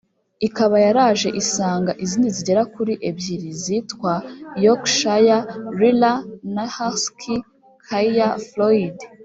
ikaba yaraje isanga izindi zigera kuri ebyiri zitwa yorkshire Lila na husky Kai Floyd